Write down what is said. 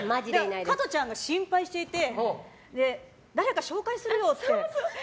加トちゃんが心配していて誰か紹介するよって。